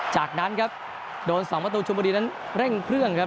จากนั้นครับโดน๒ประตูชุมบุรีนั้นเร่งเครื่องครับ